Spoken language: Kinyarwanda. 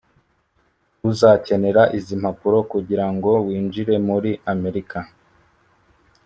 uzakenera izi mpapuro kugira ngo winjire muri amerika.